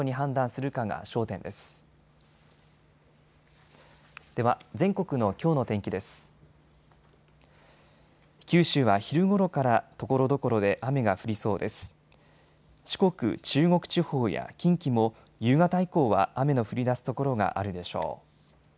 四国、中国地方や近畿も夕方以降は雨の降りだす所があるでしょう。